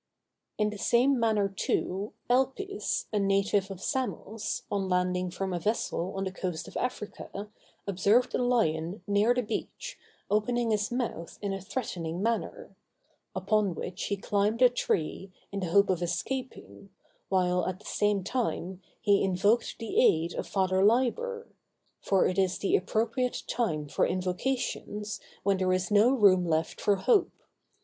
_] In the same manner, too, Elpis, a native of Samos, on landing from a vessel on the coast of Africa, observed a lion near the beach, opening his mouth in a threatening manner; upon which he climbed a tree, in the hope of escaping, while, at the same time, he invoked the aid of Father Liber; for it is the appropriate time for invocations when there is no room left for hope.